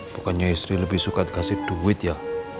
bukannya istri lebih suka kasih duit ya